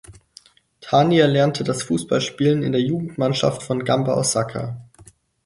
Tani erlernte das Fußballspielen in der Jugendmannschaft von Gamba Osaka.